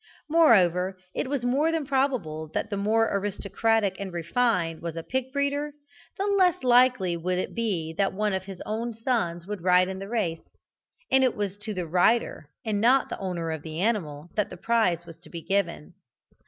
Moreover, it was more than probable that the more aristocratic and refined was a pig breeder, the less likely would it be that one of his own sons would ride in the race, and it was to the rider and not to the owner of the animal that the prize was to be given.